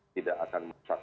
tidak akan merusak